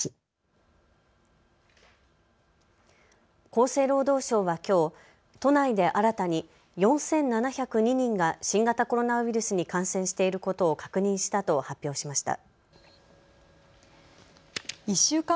厚生労働省はきょう都内で新たに４７０２人が新型コロナウイルスに感染していることを確認したと発表しました。